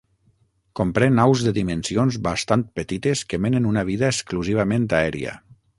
Comprèn aus de dimensions bastant petites que menen una vida exclusivament aèria.